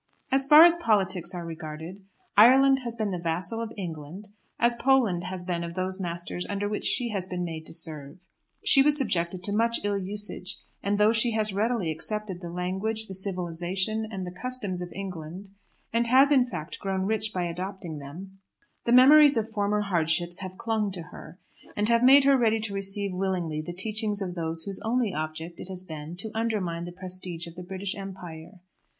As far as politics are regarded, Ireland has been the vassal of England as Poland has been of those masters under which she has been made to serve. She was subjected to much ill usage, and though she has readily accepted the language, the civilisation, and the customs of England, and has in fact grown rich by adopting them, the memories of former hardships have clung to her, and have made her ready to receive willingly the teachings of those whose only object it has been to undermine the prestige of the British Empire.